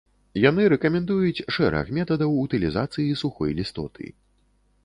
Яны рэкамендуюць шэраг метадаў утылізацыі сухой лістоты.